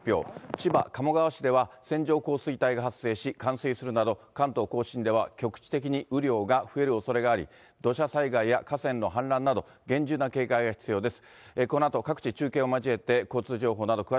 千葉・鴨川市では、線状降水帯が発生し、冠水するなど、関東甲信では局地的に雨量が増えるおそれがあり、土砂災害や河川の氾濫など厳重な警戒が必要です。